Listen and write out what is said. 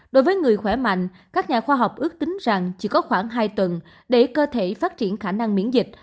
đối với người khỏe mạnh các nhà khoa học ước tính rằng chỉ có khoảng hai tuần để cơ thể phát triển khả năng miễn dịch